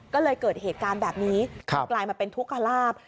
ก็เลยเกิดเหตุการณ์แบบนี้กลายมาเป็นทุกขลาบ